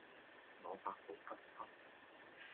我百毒不侵